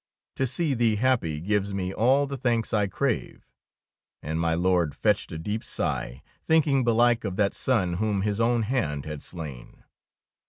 " To see thee happy gives me all the thanks I crave ''; and my Lord fetched 15 DEEDS OF DAEING a deep sigh, thinking belike of that son whom his own hand had slain.